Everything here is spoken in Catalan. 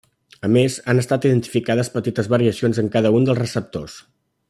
A més, han estat identificades petites variacions en cada un dels receptors.